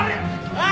おい！